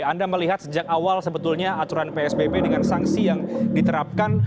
anda melihat sejak awal sebetulnya aturan psbb dengan sanksi yang diterapkan